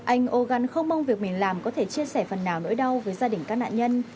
anh organ không mong việc mình làm có thể chia sẻ phần nào nỗi đau với gia đình các nạn nhân